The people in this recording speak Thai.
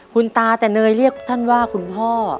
คุณตาแต่เนยเรียกท่านว่าคุณพ่อ